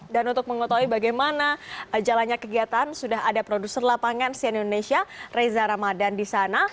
dan untuk mengetahui bagaimana jalannya kegiatan sudah ada produser lapangan sien indonesia reza ramadan di sana